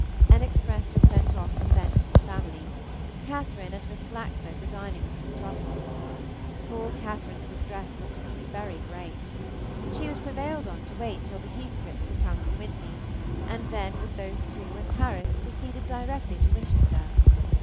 An express was sent off from thence to the family; Catherine and Miss Blackford were dining with Mrs. Russell. Poor Catherine's distress must have been very great. She was prevailed on to wait till the Heathcotes could come from Wintney, and then with those two and Harris proceeded directly to Winchester.